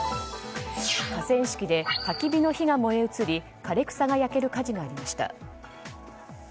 河川敷で、たき火の火が燃え移り枯れ草が焼ける火事がありました。